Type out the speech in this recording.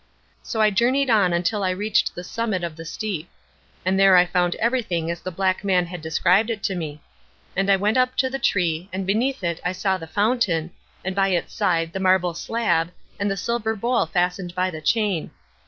"So I journeyed on until I reached the summit of the steep. And there I found everything as the black man had described it to me. And I went up to the tree, and beneath it I saw the fountain, and by its side the marble slab, and the silver bowl fastened by the chain.